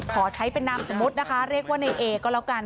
ขอใช้เป็นนามสมมุตินะคะเรียกว่าในเอก็แล้วกัน